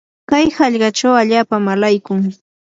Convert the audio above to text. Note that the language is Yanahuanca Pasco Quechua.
kay hallqachaw allaapam alaykun.